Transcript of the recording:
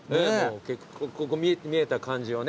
ここ見えた感じをね。